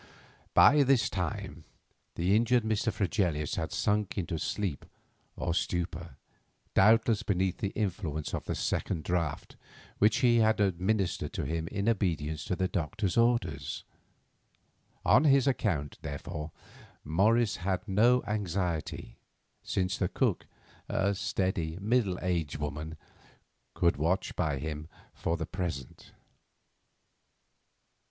By this time the injured Mr. Fregelius had sunk into sleep or stupor, doubtless beneath the influence of the second draught which he had administered to him in obedience to the doctor's orders. On his account, therefore, Morris had no anxiety, since the cook, a steady, middle aged woman, could watch by him for the present.